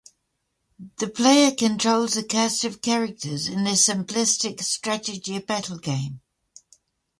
The player controls a cast of characters in a simplistic strategy battle game.